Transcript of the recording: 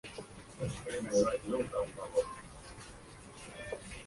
El autor es un mentiroso y un hipócrita".